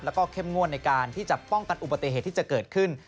แล้วก็เข้มงวดในการที่จะป้องกันอุบัติเหตุที่จะเกิดขึ้น